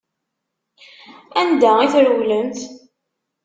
Anda i trewlemt?